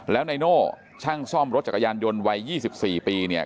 แล้วนายโน่ช่างซ่อมรถจักรยานยนต์วัย๒๔ปีเนี่ย